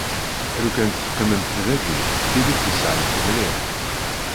Lukan teqqimemt dayi tili tezhamt mliḥ.